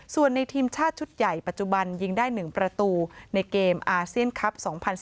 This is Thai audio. ส่วนในทีมชาติชุดใหญ่ปัจจุบันยิงได้๑ประตูในเกมอาเซียนคลับ๒๐๑๙